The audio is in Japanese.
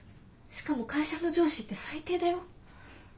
しかも会社の上司って最低だよ。